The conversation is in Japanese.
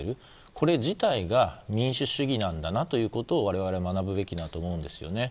これ自体が民主主義なんだなということを我々は学ぶべきだと思うんですね。